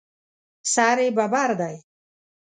سر یې ببر دی.